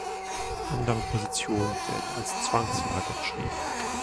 Andere Positionen werden als Zwangslage beschrieben.